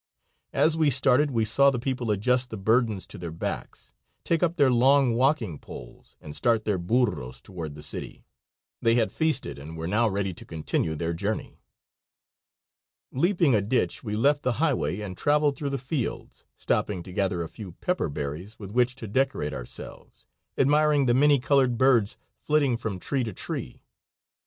As we started we saw the people adjust the burdens to their backs, take up their long walking poles, and start their burros toward the city. They had feasted and were now ready to continue their journey. Leaping a ditch we left the highway and traveled through the fields, stopping to gather a few pepper berries with which to decorate ourselves, admiring the many colored birds flitting from tree to tree.